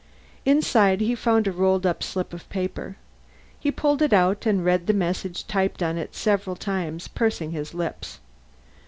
Inside he found a rolled up slip of paper. He pulled it out and read the message typed on it several times, pursing his lips.